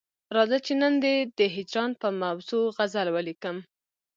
راځه چې نن دي د هجران پر موضوع غزل ولیکم.